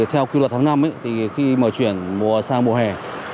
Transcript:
theo quy luật tháng năm khi mở chuyển sang mùa hè